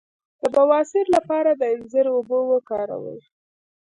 د بواسیر لپاره د انځر اوبه وکاروئ